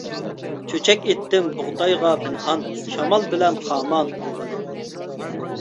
چۆچەك ئېيتتىم بۇغدايغا پىنھان، شامال بىلەن خامان ئالغىلى.